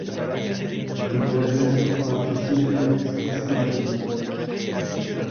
El verde de sus partes inferiores es amarillento.